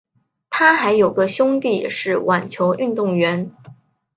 她还有个兄弟是网球运动员。